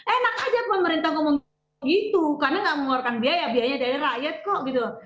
enak aja pemerintah ngomong gitu karena nggak mengeluarkan biaya biaya dari rakyat kok gitu